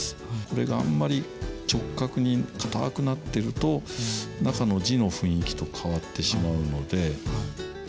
これがあんまり直角に硬くなってると中の字の雰囲気と変わってしまうので。